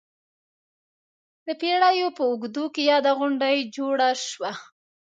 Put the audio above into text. د پېړیو په اوږدو کې یاده غونډۍ جوړه شوه.